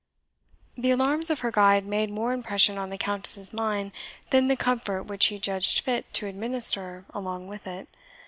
The alarms of her guide made more impression on the Countess's mind than the comfort which he judged fit to administer along with it.